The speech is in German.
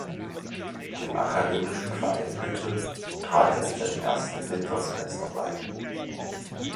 Dem Akademischen Verein Hütte trat er in seinem ersten Wintersemester bei.